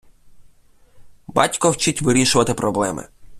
Батько вчить вирішувати проблеми.